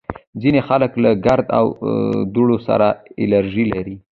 ځینې خلک له ګرد او دوړو سره الرژي لري